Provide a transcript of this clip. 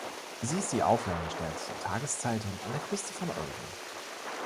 Sie ist die auflagenstärkste Tageszeitung an der Küste von Oregon.